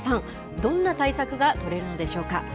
どんな対策が取れるのでしょうか。